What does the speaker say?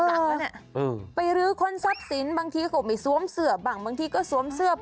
เออไปรือคนซับสินบางทีก็เขาไปซวมเสือบบางทีก็ซวมเสือบ